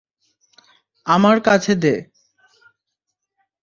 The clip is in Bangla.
আমার কাছে দে।